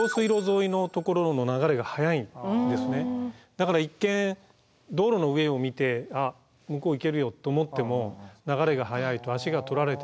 だから一見道路の上を見てあっ向こう行けるよと思っても流れが速いと足が取られてですね。